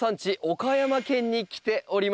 岡山県に来ております。